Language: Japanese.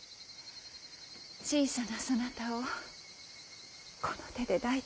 小さなそなたをこの手で抱いた日のこと。